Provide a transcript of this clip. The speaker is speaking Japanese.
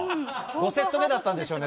５セット目だったんでしょうね。